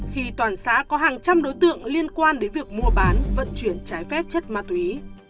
khi toàn xã có hàng trăm đối tượng liên quan đến việc mua bán vận chuyển trái phép chất ma túy